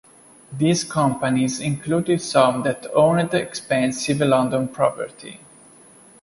These companies included some that owned expensive London property.